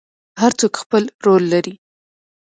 هر څوک خپل رول لري